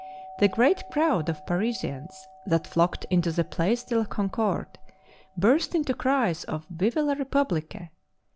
The great crowd of Parisians that flocked into the Place de la Con corde burst into cries of "Vive la Republique